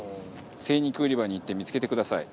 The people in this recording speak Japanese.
精肉売り場に行って見付けてください。